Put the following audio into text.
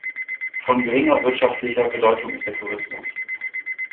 Von geringer wirtschaftlicher Bedeutung ist der Tourismus.